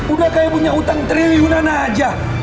udah kayak punya utang triliunan aja